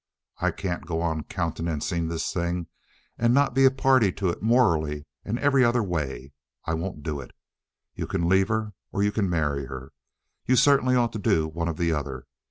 I can't go on countenancing this thing, and not be a party to it morally and every other way. I won't do it. You can leave her, or you can marry her. You certainly ought to do one or the other.